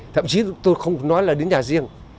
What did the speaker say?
thậm chí tôi không nói là đến nhà riêng